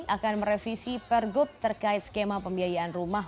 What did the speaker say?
akan merevisi pergub terkait skema pembiayaan rumah